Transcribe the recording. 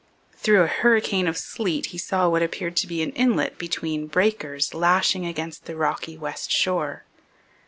Through a hurricane of sleet he saw what appeared to be an inlet between breakers lashing against the rocky west shore.